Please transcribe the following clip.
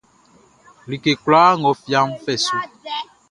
Like kloi nʼga fia fai su.